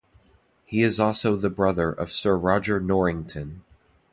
He is also the brother of Sir Roger Norrington.